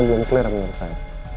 belum clear menurut saya